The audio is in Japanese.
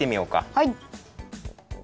はい。